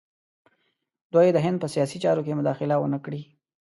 دوی د هند په سیاسي چارو کې مداخله ونه کړي.